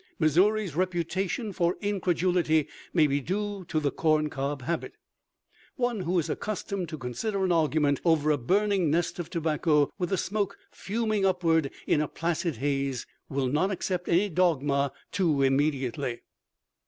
Missouri's reputation for incredulity may be due to the corncob habit. One who is accustomed to consider an argument over a burning nest of tobacco, with the smoke fuming upward in a placid haze, will not accept any dogma too immediately.